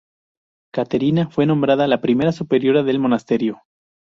Caterina fue nombrada la primera superiora del monasterio.